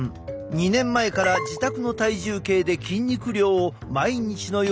２年前から自宅の体重計で筋肉量を毎日のように測っていた。